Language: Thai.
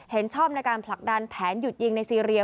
เห็นชอบในการผลักดันแผนหยุดยิงในซีเรีย